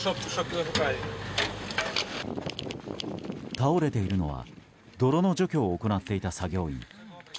倒れているのは泥の除去を行っていた作業員。